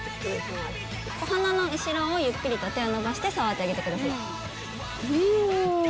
お鼻の後ろをゆっくりと手を伸ばして触ってあげてください。